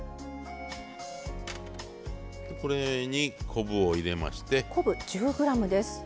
これに昆布を入れまして。